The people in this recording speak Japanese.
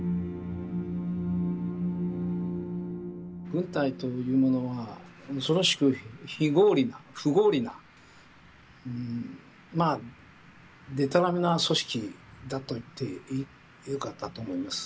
軍隊というものは恐ろしく非合理な不合理なまあでたらめな組織だと言ってよかったと思います。